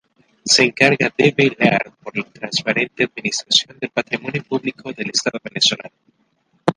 Se encarga de velar por la transparente administración del patrimonio público del Estado venezolano.